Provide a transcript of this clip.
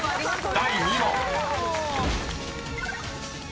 ［第２問］